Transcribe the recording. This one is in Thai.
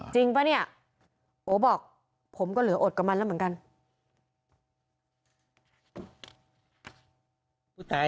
ป่ะเนี่ยโอบอกผมก็เหลืออดกับมันแล้วเหมือนกัน